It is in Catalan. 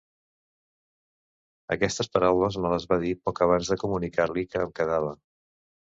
Aquestes paraules me les va dir poc abans de comunicar-li que em quedava.